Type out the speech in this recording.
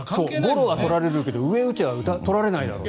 ゴロはとられるけど上を打ちゃとられないだろと。